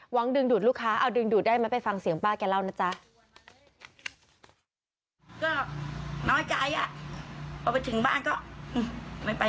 ดึงดูดลูกค้าเอาดึงดูดได้ไหมไปฟังเสียงป้าแกเล่านะจ๊ะ